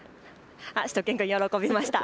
しゅと犬くん、喜びました。